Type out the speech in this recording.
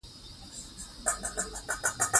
دوستي پالل د میړانې کار دی.